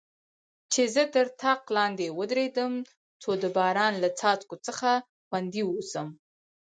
چې زه تر طاق لاندې ودریږم، څو د باران له څاڅکو څخه خوندي واوسم.